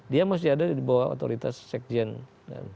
dia masih ada di bawah otoritas sekjen dan